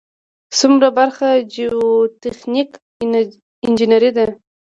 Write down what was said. څلورمه برخه جیوتخنیک انجنیری ده.